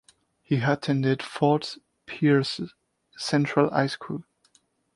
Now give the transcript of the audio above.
He attended Fort Pierce Central High School.